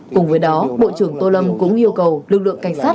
cùng với đó bộ trưởng tô lâm cũng yêu cầu lực lượng cảnh sát